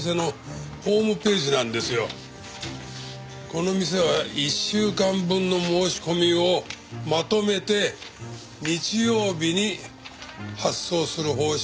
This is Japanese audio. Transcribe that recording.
この店は１週間分の申し込みをまとめて日曜日に発送する方式を取ってます。